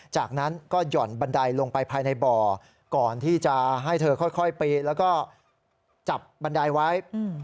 จากนั้นก็หย่อนบันไดลงไปภายในบ่อก่อนที่จะให้เธอค่อยไปแล้วก็จับบันไดไว้